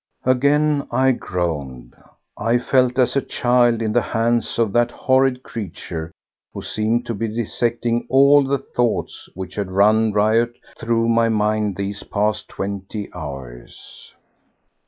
Again I groaned. I felt as a child in the hands of that horrid creature who seemed to be dissecting all the thoughts which had run riot through my mind these past twenty hours.